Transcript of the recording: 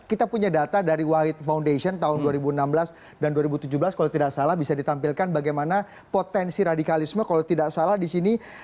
kita punya data dari wahid foundation tahun dua ribu enam belas dan dua ribu tujuh belas kalau tidak salah bisa ditampilkan bagaimana potensi radikalisme kalau tidak salah di sini